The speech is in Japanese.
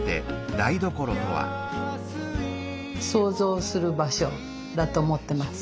創造する場所だと思ってます。